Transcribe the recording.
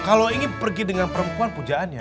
kalau ingin pergi dengan perempuan pujaannya